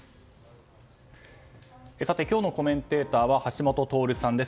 さて、今日のコメンテーターは橋下徹さんです。